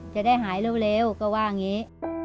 จะได้หายเร็วก็ว่าอย่างนี้